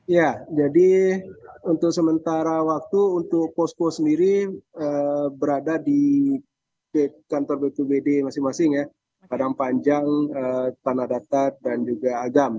ya jadi untuk sementara waktu untuk posko sendiri berada di kantor bpbd masing masing ya padang panjang tanah datar dan juga agam